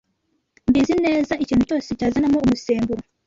mbizi neza ikintu cyose cyazanamo umusemburo.